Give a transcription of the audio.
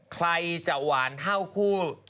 ใครจะหวานเท่าคู่